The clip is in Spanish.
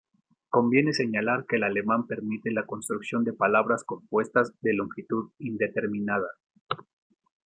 Conviene señalar que el alemán permite la construcción de palabras compuestas de longitud indeterminada.